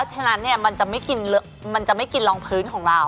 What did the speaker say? เพราะฉะนั้นเนี่ยมันจะไม่กินลองพื้นของเรา